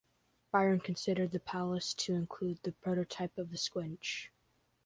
Byron considered the Palace to include the prototype of the squinch.